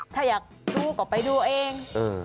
ถ้าอยากดูก็ไปดูเอง